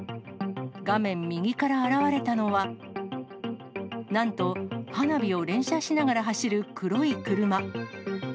画面右から現れたのは、なんと花火を連射しながら走る黒い車。